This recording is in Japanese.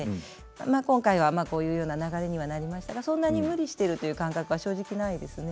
今回はまあこういうような流れにはなりましたがそんなに無理してるという感覚は正直ないですね。